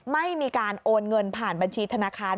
ไม่มีการโอนเงินผ่านบัญชีธนาคาร